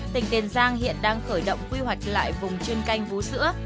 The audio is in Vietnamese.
tỉnh tiền giang hiện đang khởi động quy hoạch lại vùng chuyên canh vú sữa